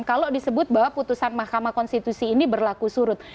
kalau disebut bahwa putusan mahkamah konstitusi ini berlaku surut